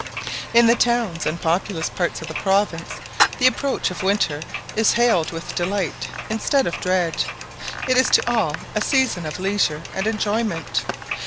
In the towns and populous parts of the province the approach of winter is hailed with delight instead of dread; it is to all a season of leisure and enjoyment.